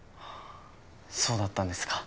そうだったんですか。